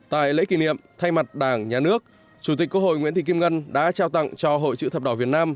tại lễ kỷ niệm thay mặt đảng nhà nước chủ tịch quốc hội nguyễn thị kim ngân đã trao tặng cho hội chữ thập đỏ việt nam